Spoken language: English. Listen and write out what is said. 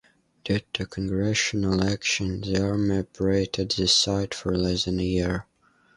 Due to Congressional action, the Army operated the site for less than a year.